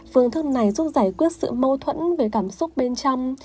phương thức này giúp giải quyết sự mâu thuẫn về cảm xúc bên trong